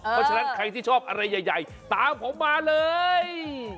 เพราะฉะนั้นใครที่ชอบอะไรใหญ่ตามผมมาเลย